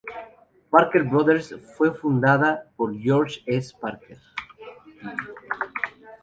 Parker Brothers fue fundada por George S. Parker.